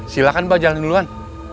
silakan mbak jalan duluan